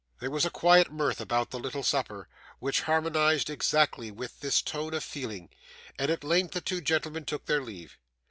There was a quiet mirth about the little supper, which harmonised exactly with this tone of feeling, and at length the two gentlemen took their leave.